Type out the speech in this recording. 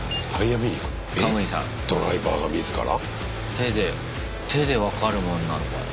手で手で分かるもんなのかな。